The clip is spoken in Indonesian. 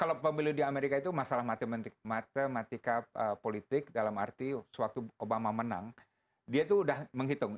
kalau pemilu di amerika itu masalah matematika politik dalam arti sewaktu obama menang dia tuh udah menghitung